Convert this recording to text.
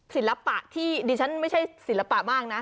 ศิลปะที่ดิฉันไม่ใช่ศิลปะมากนะ